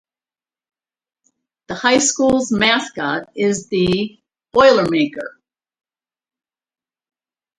The high school's mascot is the "Boilermaker".